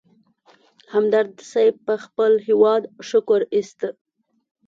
همدرد صیب پر خپل هېواد شکر اېست.